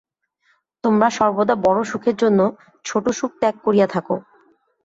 তোমরা সর্বদা বড় সুখের জন্য ছোট সুখ ত্যাগ করিয়া থাক।